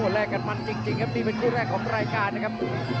แลกกันมันจริงครับนี่เป็นคู่แรกของรายการนะครับ